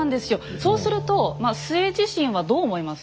そうすると陶自身はどう思います？